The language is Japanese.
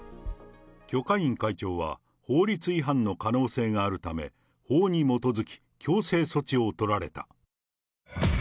許家印会長は法律違反の可能性があるため、法に基づき、強制措置を取られた。